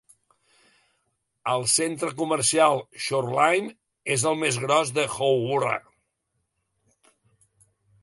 El Centre Comercial Shoreline, és el més gros de Howrah.